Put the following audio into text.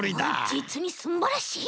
じつにすんばらしい。